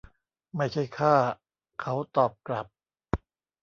ไม่ใช่ข้า เขาตอบกลับ